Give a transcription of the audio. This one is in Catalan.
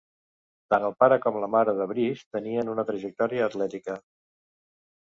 Tant el pare com la mare de Brees tenien una trajectòria atlètica.